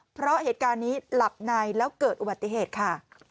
เพราะเหตุการณ์นี้หลับในแล้วเกิดอุบัติเหตุค่ะ